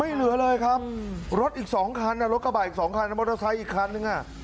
เหลือเลยครับรถอีกสองคันอ่ะรถกระบาดอีกสองคันมอเตอร์ไซค์อีกคันนึงอ่ะ